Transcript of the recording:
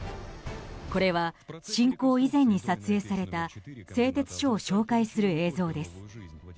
これは侵攻以前に撮影された製鉄所を紹介する映像です。